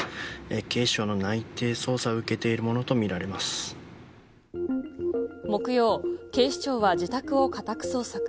警視庁の内偵捜査を受けているも木曜、警視庁は自宅を家宅捜索。